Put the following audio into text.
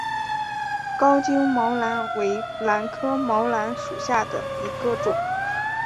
高茎毛兰为兰科毛兰属下的一个种。